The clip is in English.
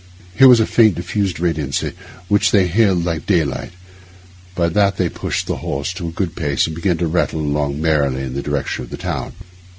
Here was a faint, diffused radiancy, which they hailed like daylight; by that they pushed the horse to a good pace and began to rattle along merrily in the direction of the town.